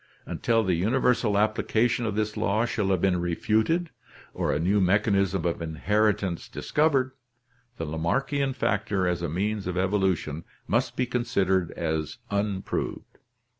Until the universal application of this law shall have been refuted or a new mechanism of inheritance discovered, the Lamarckian factor as a means of evolution must be considered as unproved.